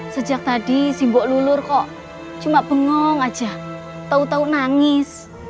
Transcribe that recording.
sejak tadi simbok lulur kok cuma bengong aja tau tau nangis